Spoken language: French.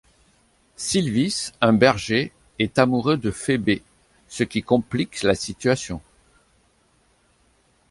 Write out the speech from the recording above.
Silvis, un berger, est amoureux de Phébé, ce qui complique la situation.